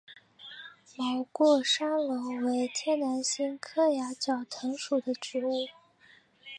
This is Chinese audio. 毛过山龙为天南星科崖角藤属的植物。